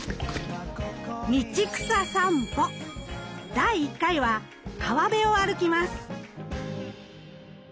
第１回は川辺を歩きます。